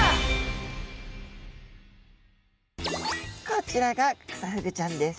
こちらがクサフグちゃんです。